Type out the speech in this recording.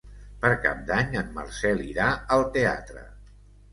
Per Cap d'Any en Marcel irà al teatre.